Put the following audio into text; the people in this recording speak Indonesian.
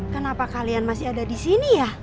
kenapa kalian masih ada disini ya